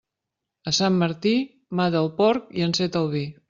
A Sant Martí, mata el porc i enceta el vi.